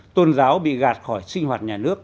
tôn giáo bị gạt khỏi sinh hoạt nhà nước